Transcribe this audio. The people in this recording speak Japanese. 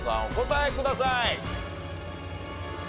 お答えください。